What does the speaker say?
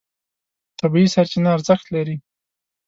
طبیعي سرچینه ارزښت لري.